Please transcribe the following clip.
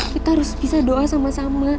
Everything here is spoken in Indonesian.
kita harus bisa doa sama sama